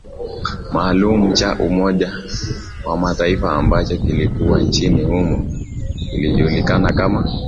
maalumu cha Umoja wa Mtaifa ambacho kilikuwa nchini humo kikijulikana kama